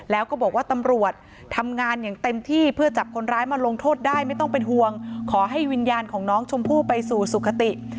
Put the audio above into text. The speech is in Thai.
แล้วก็บอกว่าตำรวจทำงานอย่างเต็มที่เพื่อจับคนร้ายมาลงโทษได้ไม่ต้องเป็นห่วงขอให้วิญญาณของน้องชมพู่ไปสู่สุขติ